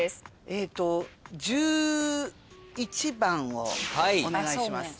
えっと１１番をお願いします。